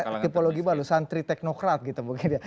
mungkin ini tipologi baru santri teknokrat gitu mungkin ya